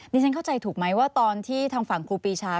ฉันเข้าใจถูกไหมว่าตอนที่ทางฝั่งครูปีชา